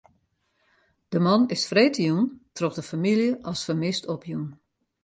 De man is freedtejûn troch de famylje as fermist opjûn.